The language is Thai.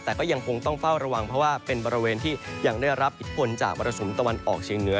แต่ก็ยังคงต้องเฝ้าระวังเพราะว่าเป็นบริเวณที่ยังได้รับอิทธิพลจากมรสุมตะวันออกเชียงเหนือ